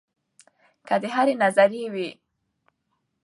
کۀ د هرې نظرئې وي